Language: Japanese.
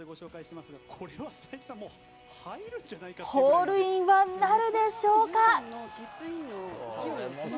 ホールインワンなるでしょうか？